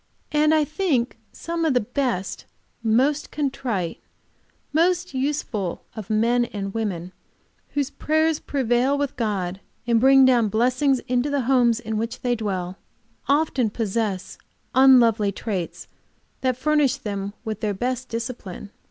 And I think some of the best, most contrite, most useful of men and women, whose prayers prevail with God, and bring down blessings into the homes in which they dwell often possess unlovely traits that furnish them with their best discipline.